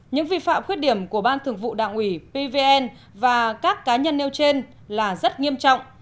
những vi phạm khuyết điểm của ban thường vụ đảng ủy pvn và các cá nhân nêu trên là rất nghiêm trọng